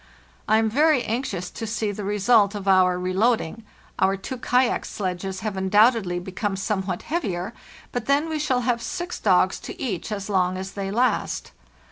I am very anxious to see the result of our reloading. Our two kayak sledges have undoubtedly become somewhat heavier, but then we shall have six dogs to each as long as they last.